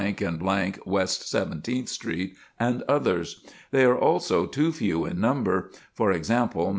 and West Seventeenth Street, and others. They are also too few in number; for example, No.